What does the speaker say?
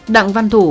đặng văn thủ